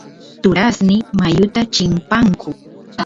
turasniy mayuta chimpanku